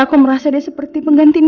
aku merasa dia seperti pengganti